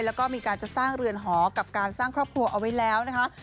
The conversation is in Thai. แล้วก็มีการจะสร้างเรือนหอกับการสร้างครอบครัวเอาไว้แล้วนะคะ